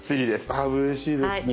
あうれしいですね。